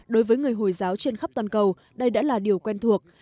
đối với người hồi giáo trên khắp toàn cầu đây đã là điều quen thuộc